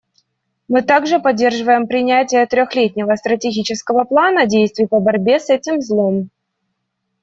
Мы также поддерживаем принятие трехлетнего стратегического плана действий по борьбе с этим злом.